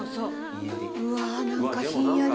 うわ何かひんやり。